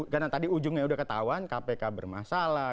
karena tadi ujungnya sudah ketahuan kpk bermasalah